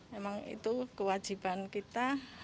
memang itu kewajiban kita